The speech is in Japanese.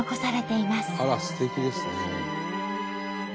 あらすてきですね。